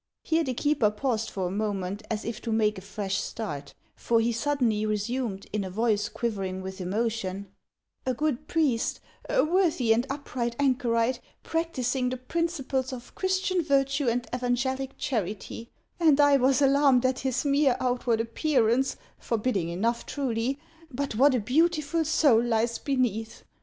" Here the keeper paused for a moment, as if to make a fresh start ; for he suddenly resumed, in a voice quivering with emotion :" A good priest, a worthy and upright an chorite, practising the principles of Christian virtue and evangelic charity ; and I was alarmed at his mere outward appearance, forbidding enough, truly ; but what a beautiful soul lies beneath